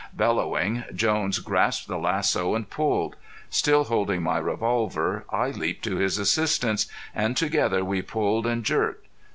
Bellowing, Jones grasped the lasso and pulled. Still holding my revolver, I leaped to his assistance, and together we pulled and jerked.